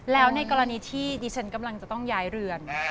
แล้วในกรณีที่ดิฉันกำลังจะต้องย้ายเรือน